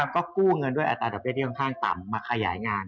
ก็กู้เงินด้วยอัตราดอกเบีที่ค่อนข้างต่ำมาขยายงาน